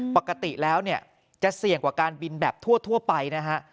ปกติแล้วเนี่ยจะเสี่ยงกว่าการบินแบบทั่วไปนะฮะ